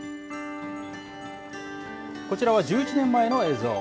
こちらは１１年前の映像。